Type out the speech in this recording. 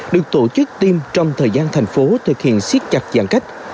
được tổ chức tiêm trong thời gian thành phố thực hiện siết chặt giãn cách